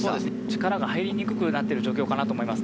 力が入りにくくなっている状況かなと思います。